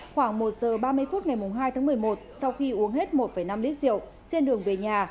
khoảng một giờ ba mươi phút ngày hai tháng một mươi một sau khi uống hết một năm lít rượu trên đường về nhà